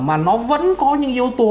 mà nó vẫn có những yếu tố